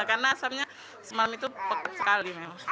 karena asamnya semalam itu pekat sekali memang